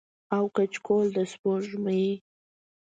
او کچکول د سپوږمۍ